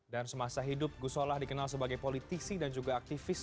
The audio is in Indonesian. dan semasa hidup gu solah dikenal sebagai politisi dan juga aktivis